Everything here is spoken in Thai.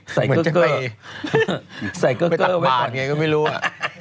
ใส่เกือร์เกือร์ไว้ก่อนไม่ตักบาทอย่างนี้ก็ไม่รู้อะ